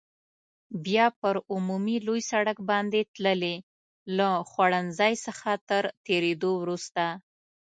بیا پر عمومي لوی سړک باندې تللې، له خوړنځای څخه تر تېرېدو وروسته.